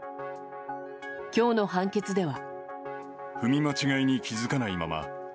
今日の判決では。